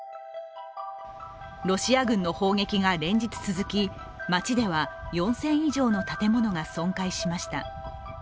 ロシア軍の砲撃が連日続き町では４０００以上の建物が損壊しました。